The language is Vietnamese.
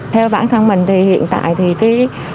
theo bản thân mình thì hiện tại